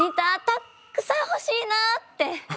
たっくさん欲しいなって。